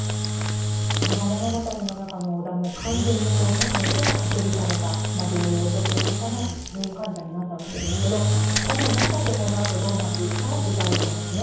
だから物語の中の尾田も完全に社会とは隔離された療養所という中の入院患者になったわけですけどこの中でこのあとどうなっていくかは次回以降ですね。